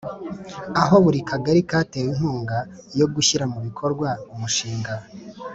aho buri kagari katewe inkunga yo gushyira mu bikorwa umushinga